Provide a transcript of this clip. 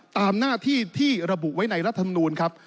ตามหน้าที่ที่ระบุไว้ในรัฐมนูลครับ